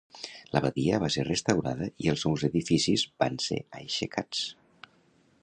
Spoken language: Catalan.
L'abadia va ser restaurada i els nous edificis van ser aixecats.